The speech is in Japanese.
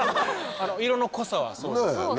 色の濃さはそうです。ねぇ。